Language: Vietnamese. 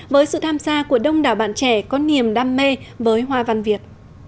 với sự tham gia của đông đảo bạn trẻ có niềm đam mê với hoa văn việt